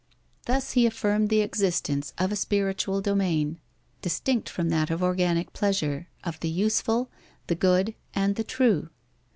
Thus he affirmed the existence of a spiritual domain, distinct from that of organic pleasure, of the useful, the good, and the true.